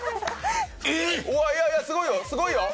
いやいやすごいよすごいよ！